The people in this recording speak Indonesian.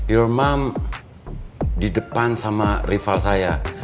ilma di depan sama rival saya